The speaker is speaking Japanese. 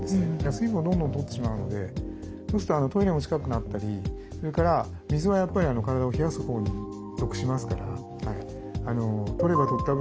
水分をどんどんとってしまうのでそうするとトイレも近くなったりそれから水はやっぱり体を冷やすほうに属しますから。